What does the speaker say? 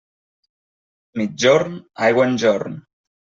Migjorn, aigua enjorn.